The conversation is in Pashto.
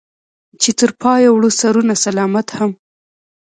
چې تر پايه وړو سرونه سلامت هم